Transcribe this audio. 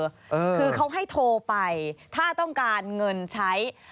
คือเขาให้โทรไปถ้าต้องการเงินใช้